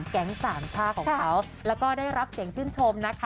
สามชาติของเขาแล้วก็ได้รับเสียงชื่นชมนะคะ